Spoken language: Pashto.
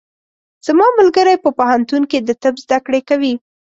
زما ملګری په پوهنتون کې د طب زده کړې کوي.